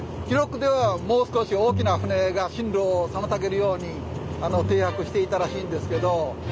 記録ではもう少し大きな船が進路を妨げるように停泊していたらしいんですけど。